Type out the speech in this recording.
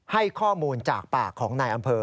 ให้ข้อมูลจากปากของนายอำเภอ